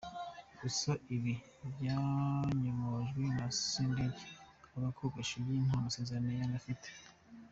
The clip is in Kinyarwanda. Gusa ibi byanyomojwe na Sendege uvuga ko Gashugi nta masezerano yari afite.